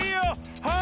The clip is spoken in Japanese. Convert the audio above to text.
はい！